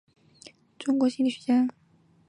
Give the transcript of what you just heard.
中国心理学家。